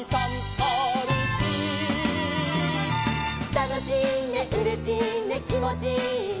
「たのしいねうれしいねきもちいいね」